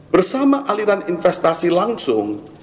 bersama aliran investasi langsung